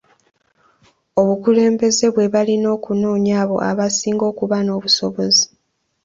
Obukulembeze bwe balina okunoonya, abo abasinga okuba n’obusobozi.